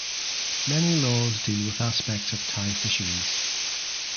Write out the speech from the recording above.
Many laws deal with aspects of Thai fisheries.